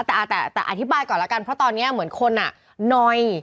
แต่อธิบายก่อนแล้วกันเพราะตอนนี้เหมือนคนหน่อย